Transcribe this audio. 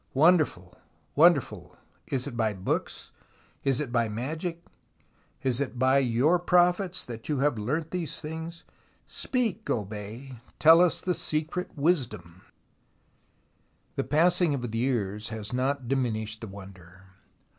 Wonderful ! Wonderful ! Is it by books ? Is it by magic ? Is it by your prophets that you have learnt these things ? Speak, O Bey ! Tell us the Secret of Wisdom." The passing of the years has not diminished the wonder.